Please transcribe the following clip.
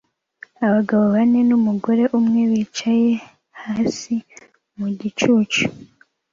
Abagabo bane numugore umwe bicaye hasi mugicucu